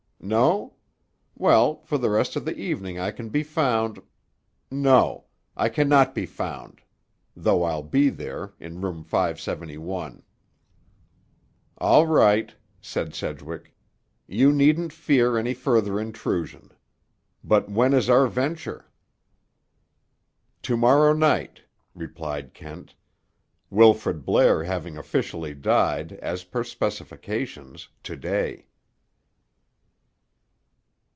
No? Well, for the rest of the evening I can be found—no; I can not be found, though I'll be there—in room 571." "All right," said Sedgwick. "You needn't fear any further intrusion. But when is our venture?" "To morrow night," replied Kent, "Wilfrid Blair having officially died, as per specifications, to day."